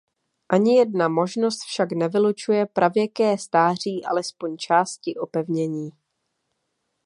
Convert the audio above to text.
Ani jedna možnost však nevylučuje pravěké stáří alespoň části opevnění.